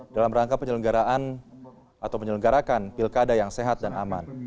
dalam rangka penyelenggaraan atau menyelenggarakan pilkada yang sehat dan aman